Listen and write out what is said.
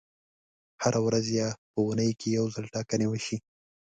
هره ورځ یا په اونۍ کې یو ځل ټاکنې وشي.